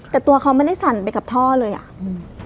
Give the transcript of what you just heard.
แต่ตัวเขาไม่ได้สั่นไปกับท่อเลยอ่ะอืม